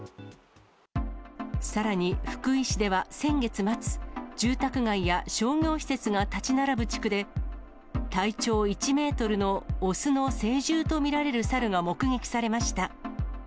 さらに、福井市では先月末、住宅街や商業施設が建ち並ぶ地区で、体長１メートルの雄の成獣と見られるサルが目撃されました。